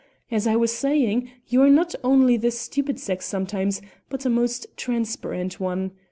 As I was saying, you are not only the stupid sex sometimes, but a most transparent one.